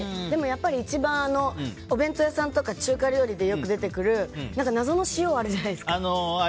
でもやっぱり一番お弁当屋さんとか中華料理でよく出てくる謎の塩、あるじゃないですか。